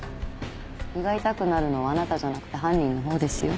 胃が痛くなるのはあなたじゃなくて犯人の方ですよ。